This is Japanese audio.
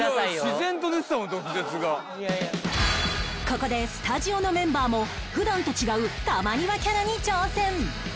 ここでスタジオのメンバーも普段と違うたまにわキャラに挑戦